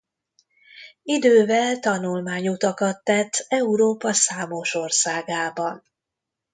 Idővel tanulmányutakat tett Európa számos országában.